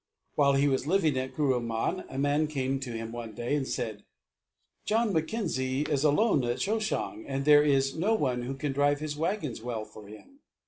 While he was living at Kuruman a man came to him one day and said: "John Mackenzie is alone at Shoshong, and there is no one who can drive his wagon well for him."